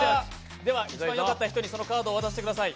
では、一番よかった人にそのカードを渡してください。